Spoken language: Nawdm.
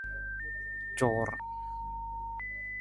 Cuur !